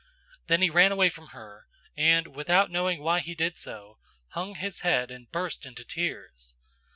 "Then he ran away from her, and, without knowing why he did so, hung his head and burst into tears.